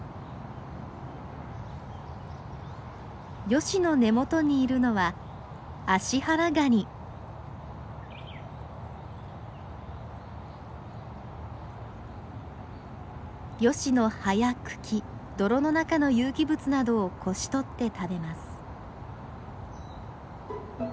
ヨシの根元にいるのはヨシの葉や茎泥の中の有機物などをこし取って食べます。